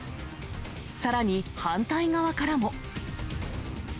さらに反対側からも。